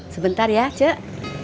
sebentar ya cek